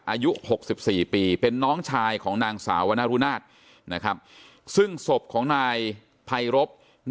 อายุหกสิบสี่ปีเป็นน้องชายของนางสาววะนะรุนาศนะครับซึ่งศพของนายภัยรบรุจิโรภาส